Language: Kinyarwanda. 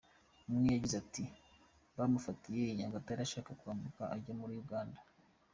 Umwe yagize ati “Bamufatiye i Nyagatare ashaka kwambuka ajya muri Uganda.